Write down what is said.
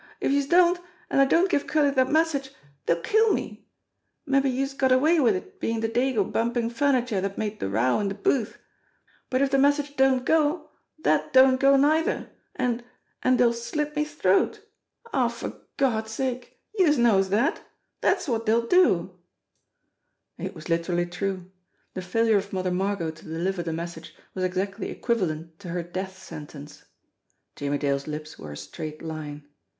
"If youse don't, an' I don't give Curley dat message, dey'll kill me. Mabbe youse got away wid it bein' de dago bumpin' furniture dat made de row in de booth, but if de message don't go, dat don't go neither, an' an' dey'll slit me troat. Aw, for Gawd's sake ! Youse knows dat ! Dat's wot dey'll do!" It was literally true. The failure of Mother Margot to deliver the message was exactly equivalent to her death sentence. Jimmie Dale's lips were a straight line.